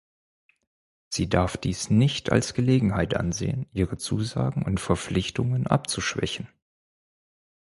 Sie darf dies nicht als Gelegenheit ansehen, ihre Zusagen und Verpflichtungen abzuschwächen.